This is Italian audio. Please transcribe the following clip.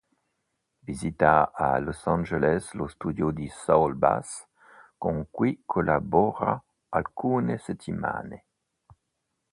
Visita a Los Angeles lo studio di Saul Bass, con cui collabora alcune settimane.